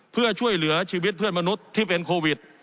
เพื่อช่วยเหลือชีวิตเพื่อนมนุษย์ที่เป็นโควิด